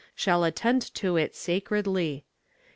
Shall attend to it sacredly.